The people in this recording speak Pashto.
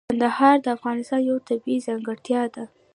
کندهار د افغانستان یوه طبیعي ځانګړتیا ده.